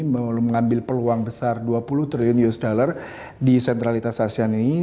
mengambil peluang besar dua puluh triliun usd di sentralitas asean ini